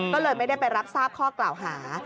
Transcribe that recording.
ก็เลยไม่ได้ไปรับทราบข้อกล่าวหา